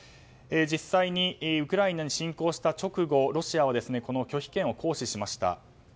実際にウクライナに侵攻した直後ロシアはこの拒否権を行使しました。